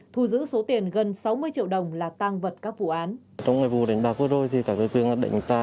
thu giữ số tiền gần sáu mươi triệu đồng là tang vật các vụ án